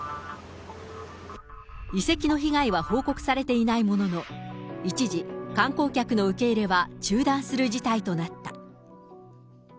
遺跡の被害は報告されていないものの、一時、観光客の受け入れは中断する事態となった。